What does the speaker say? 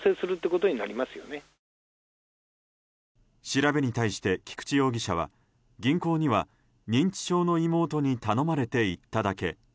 調べに対して菊池容疑者は銀行には認知症の妹に頼まれていっただけ。